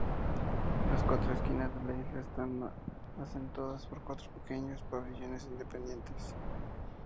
Las cuatro esquinas de la isla están acentuadas por cuatro pequeños pabellones independientes.